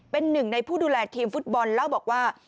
เป็นหนึ่งในผู้ดูแลทีมฟุตบอลเล่าบอกว่า